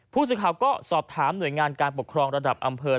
ผู้สื่อข่าวก็สอบถามหน่วยงานการปกครองระดับอำเภอ